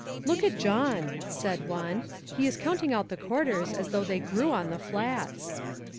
"Look at John," said one, "he is count ing out the quarters as though they grew on the Flats."